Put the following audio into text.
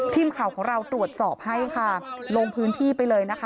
ทีมข่าวของเราตรวจสอบให้ค่ะลงพื้นที่ไปเลยนะคะ